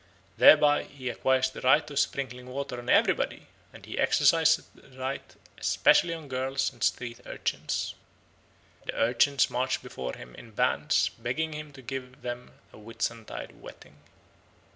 Thereby he acquires the right of sprinkling water on everybody, and he exercises the right specially on girls and street urchins. The urchins march before him in bands begging him to give them a Whitsuntide wetting.